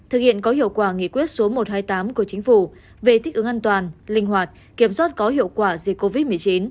hậu quả nghị quyết số một trăm hai mươi tám của chính phủ về thích ứng an toàn linh hoạt kiểm soát có hiệu quả dịch covid một mươi chín